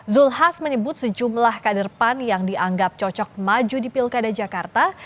zulkas menyebut sejumlah kaderpan yang dianggap cocok maju di pilkada jakarta